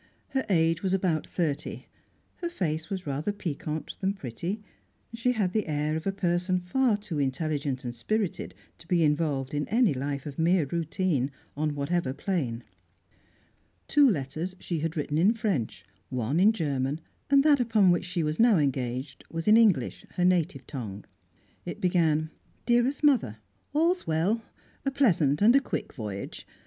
Her age was about thirty; her face was rather piquant than pretty; she had the air of a person far too intelligent and spirited to be involved in any life of mere routine, on whatever plane. Two letters she had written in French, one in German, and that upon which she was now engaged was in English, her native tongue; it began "Dearest Mother." "All's well. A pleasant and a quick voyage.